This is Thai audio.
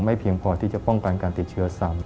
เพียงพอที่จะป้องกันการติดเชื้อซ้ำ